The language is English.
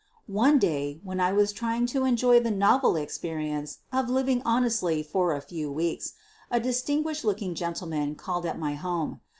One day, when I was trying to enjoy the novel experience of living honestly for a few weeks, a distinguished looking gentleman called at my home.